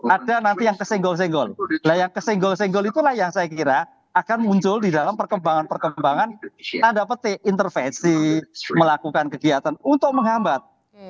ada nanti yang kesenggol senggol nah yang kesenggol senggol itulah yang saya kira akan muncul di dalam perkembangan perkembangan tanda petik intervensi melakukan kegiatan untuk menghambat